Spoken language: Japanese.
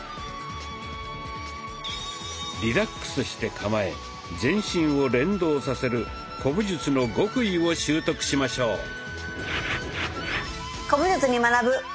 リラックスして構え全身を連動させる古武術の極意を習得しましょう。